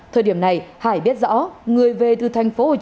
thời điểm này hải biết rõ người về từ tp hcm phải khai báo y tế